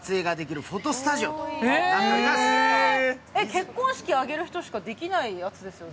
結婚式挙げる人しかできないやつですよね？